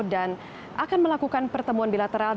dan akan melakukan pertemuan bilateral